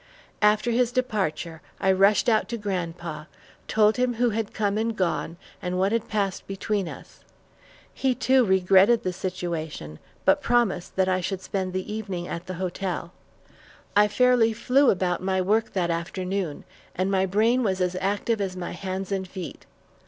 After his departure, I rushed out to grandpa, told him who had come and gone, and what had passed between us. He too, regretted the situation, but promised that I should spend the evening at the hotel. I fairly flew about my work that afternoon, and my brain was as active as my hands and feet.